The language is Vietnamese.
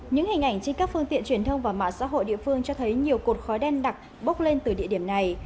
những hình ảnh trên các phương tiện truyền thông và mạng xã hội địa phương cho thấy nhiều cột khói đen đặc bốc lên từ địa điểm này